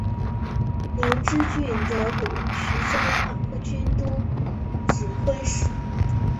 刘知俊得补徐州马步军都指挥使。